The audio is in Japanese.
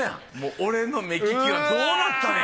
俺の目利きはどうなったんや。